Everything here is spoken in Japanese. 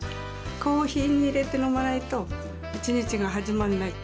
コーヒーに入れて飲まないと一日が始まんない。